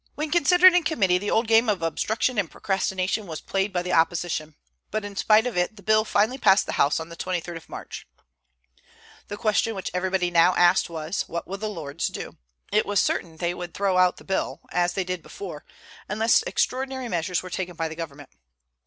When considered in committee the old game of obstruction and procrastination was played by the opposition; but in spite of it, the bill finally passed the House on the 23d of March. The question which everybody now asked was, What will the Lords do? It was certain that they would throw out the bill, as they did before, unless extraordinary measures were taken by the government.